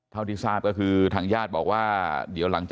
เท่าที่ทราบก็คือถางญาติบอกว่า